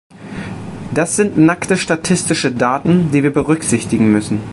Das sind nackte statistische Daten, die wir berücksichtigen müssen.